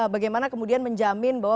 bagaimana kemudian menjamin bahwa